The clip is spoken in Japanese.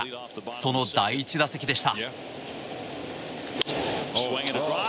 その第１打席でした。